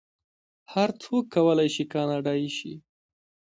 هر څوک کولی شي کاناډایی شي.